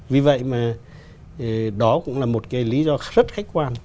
vì vậy mà đó cũng là một cái lý do rất khách quan